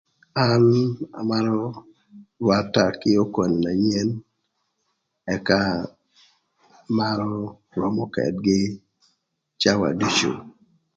An amarö rwata kï okone na nyen ëka amarö romo këdgï cawa ducu.